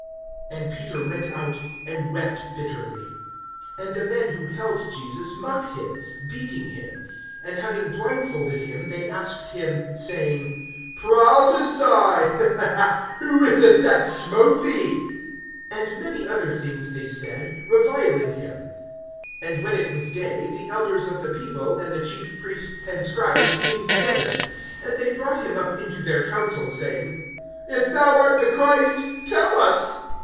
(62)And Peter went out, and wept bitterly. (63)And the men who held Jesus mocked him, beating him; (64)and having blindfolded him they asked him, saying: Prophesy, who is it that smote thee? (65)And many other things they said, reviling him. (66)And when it was day, the elders of the people[22:66], and the chief priests and scribes, came together; and they brought him up into their council, saying: (67)If thou art the Christ, tell us.